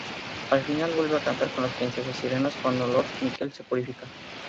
Al final, vuelve a cantar con las princesas sirenas, cuando Lord Mikel se purifica.